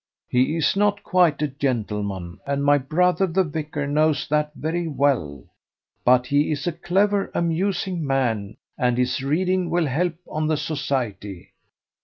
"He is not quite a gentleman, and my brother the vicar knows that very well; but he is a clever, amusing man, and his reading will help on the society.